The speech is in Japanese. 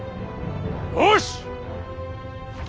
よし！